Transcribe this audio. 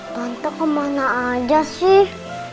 tante kemana aja sih